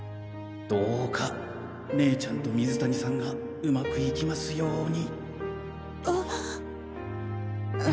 どうか姉ちゃんと水谷さんが上手くいきますように。